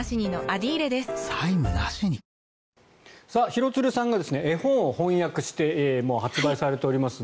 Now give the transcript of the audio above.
廣津留さんが絵本を翻訳してもう発売されております。